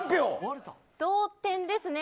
同点ですね。